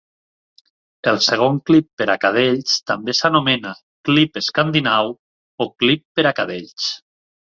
El segon clip per a cadells també s'anomena clip escandinau o clip per a cadells.